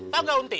tau gak unti